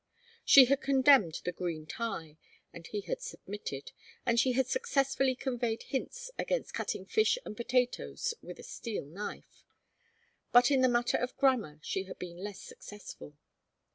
She had condemned the green tie, and he had submitted, and she had successfully conveyed hints against cutting fish and potatoes with a steel knife; but in the matter of grammar she had been less successful.